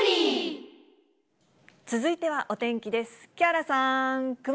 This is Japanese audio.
続いてはお天気です。